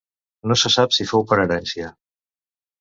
No se sap si fou per herència.